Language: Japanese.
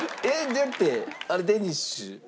だってあれデニッシュ。